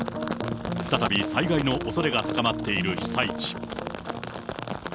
再び災害のおそれが高まっている被災地。